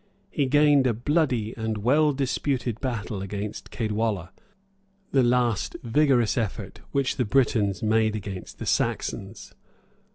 He gained a bloody and well disputed battle against Caedwalla; the last vigorous effort which the Britons made against the Saxons.